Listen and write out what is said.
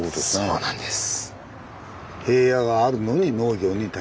そうなんです。